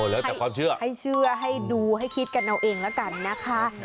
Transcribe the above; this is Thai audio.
แล้วแต่ความเชื่อให้เชื่อให้ดูให้คิดกันเอาเองแล้วกันนะคะ